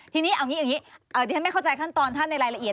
ทีนี้เอาอย่างนี้ดิฉันไม่เข้าใจขั้นตอนท่านในรายละเอียด